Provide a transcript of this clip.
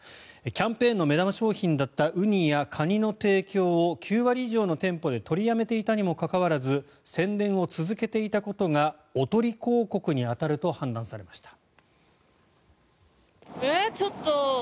キャンペーンの目玉商品だったウニやカニの提供を９割以上の店舗で取りやめていたにもかかわらず宣伝を続けていたことがおとり広告に当たると判断されました。